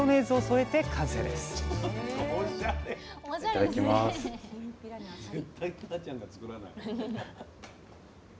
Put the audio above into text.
いただきます。